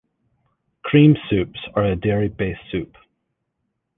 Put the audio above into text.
Cream soups are a dairy based soup.